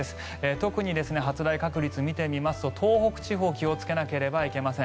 特に発雷確率を見てみますと東北地方気をつけなければいけません。